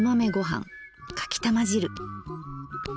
かきたま汁。